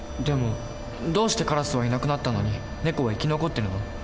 でもどうしてカラスはいなくなったのにネコは生き残ってるの？